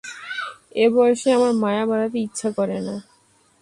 এ বয়সে আমার মায়া বাড়াতে ইচ্ছা করে না।